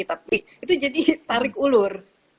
tapi itu jadi tarik ulur